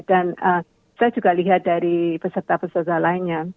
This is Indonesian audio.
dan saya juga lihat dari peserta peserta lainnya